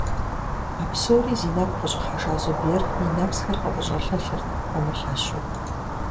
А псори зи нэгу къыщIыхьэжа Зубер и нэпсхэр къыфIыщIэлъэлъырт, пэмылъэщу.